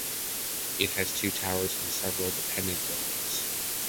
It has two towers and several dependent buildings.